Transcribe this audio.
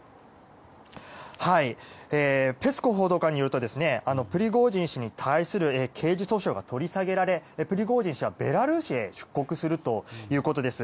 ペスコフ報道官によるとプリゴジン氏に対する刑事訴訟が取り下げられプリゴジン氏はベラルーシへ出国するということです。